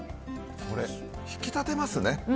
これ、引き立てますね。